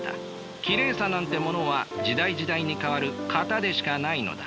きれいさなんてものは時代時代に変わる型でしかないのだ。